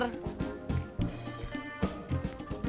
es dawet segar